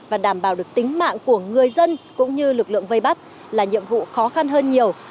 và đảm bảo được tính mạng của người dân cũng như lực lượng vây bắt là nhiệm vụ khó khăn hơn nhiều